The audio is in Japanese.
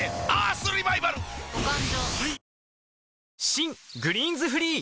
新「グリーンズフリー」